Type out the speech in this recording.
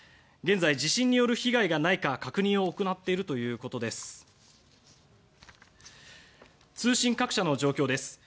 現在地震による被害がないか確認を行っているということです。